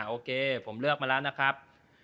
โอเคผมเลือกละนะครับ